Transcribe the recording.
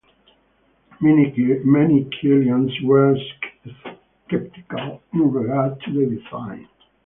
Many Kielians were skeptical in regard to the design.